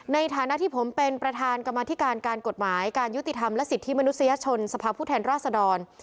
ในฐานะที่ผมเป็นประธานกรรมธิการการกฎหมายการยุติธรรมและสิทธิมนุษยชนสภาพผู้แทนราชดร